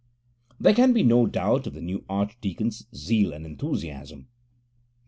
There can be no doubt of the new archdeacon's zeal and enthusiasm.